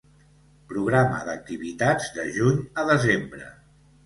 Programa d'activitats de juny a desembre.